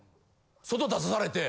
外出さされて。